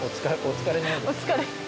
お疲れ。